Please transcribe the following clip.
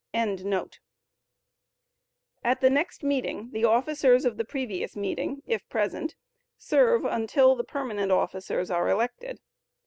] At the next meeting the officers of the previous meeting, if present, serve until the permanent officers are elected.